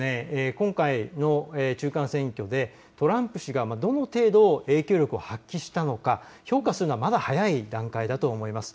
今回の中間選挙でトランプ氏がどの程度影響力を発揮したのか、評価するのはまだ早い段階だと思います。